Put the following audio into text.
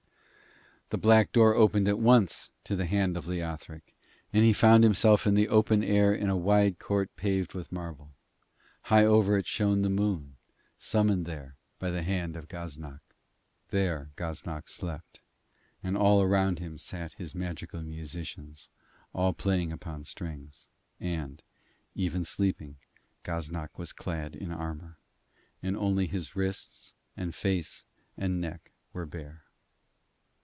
The black door opened at once to the hand of Leothric, and he found himself in the open air in a wide court paved with marble. High over it shone the moon, summoned there by the hand of Gaznak. There Gaznak slept, and around him sat his magical musicians, all playing upon strings. And, even sleeping, Gaznak was clad in armour, and only his wrists and face and neck were bare.